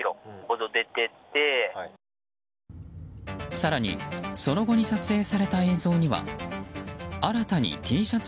更にその後に撮影された映像には新たにＴシャツ